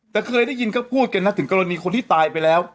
แต่เคยได้ยินก็พูดกันนะถึงกรณีคนที่ตายไปแล้ว